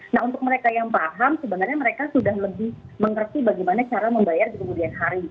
nah untuk mereka yang paham sebenarnya mereka sudah lebih mengerti bagaimana cara membayar di kemudian hari